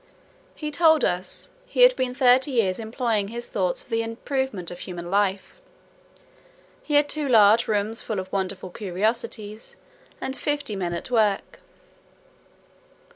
He told us "he had been thirty years employing his thoughts for the improvement of human life." He had two large rooms full of wonderful curiosities, and fifty men at work.